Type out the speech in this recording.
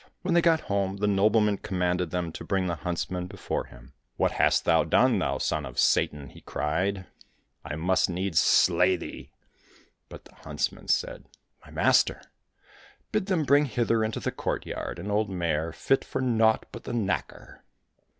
When they got home the nobleman commanded them to bring the huntsman before him. '' What hast thou 51 COSSACK FAIRY TALES done, thou son of Satan ?" he cried. " I must needs slay thee !" But the huntsman said, " My master, bid them bring hither into the courtyard an old mare fit for naught but the knacker."